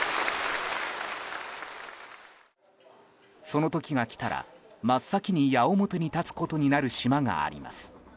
その時が来たら真っ先に矢面に立つことになる島があります。